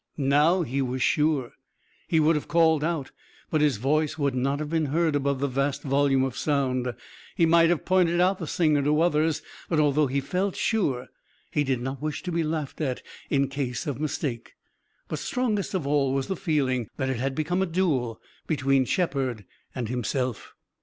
Now he was sure. He would have called out, but his voice would not have been heard above the vast volume of sound. He might have pointed out the singer to others, but, although he felt sure, he did not wish to be laughed at in case of mistake. But strongest of all was the feeling that it had become a duel between Shepard and himself.